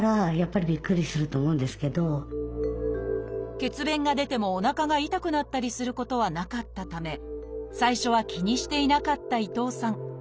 血便が出てもおなかが痛くなったりすることはなかったため最初は気にしていなかった伊藤さん。